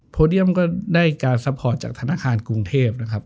เดียมก็ได้การซัพพอร์ตจากธนาคารกรุงเทพนะครับ